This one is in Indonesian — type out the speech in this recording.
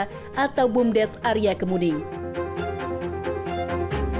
ia memiliki kekuatan yang sangat menarik dan memiliki kekuatan yang sangat menarik